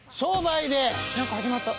何か始まった。